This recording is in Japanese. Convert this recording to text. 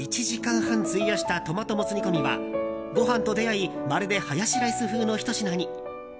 １時間半費やしたトマトモツ煮込みはご飯と出会い、まるでハヤシライス風のひと品に。